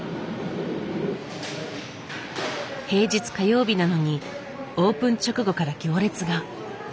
平日火曜日なのにオープン直後から行列が。